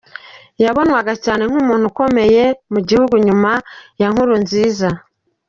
Yabonwaga cyane nk’umuntu ukomeye mu gihugu nyuma ya Nkurunziza.